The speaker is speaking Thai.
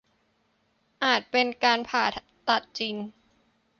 อาจเป็นการผ่าตัดจริง